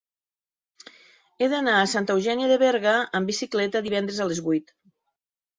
He d'anar a Santa Eugènia de Berga amb bicicleta divendres a les vuit.